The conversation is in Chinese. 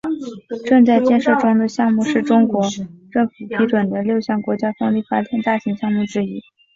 正在建设中的项目是中国政府批准的六项国家风力发电大型项目之一。